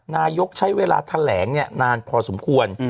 นายกใช้เวลาแถลงนานพอสมควร